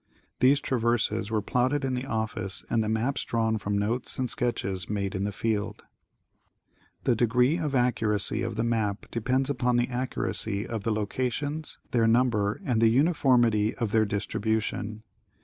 These traverses were platted in the office and the maps drawn from notes and sketches made in the field. The Survey and Map of Massachusetts. 85 The degree of accuracy of the map depends upon the accuracy of the locations, their number and the uniformity of their distri bution.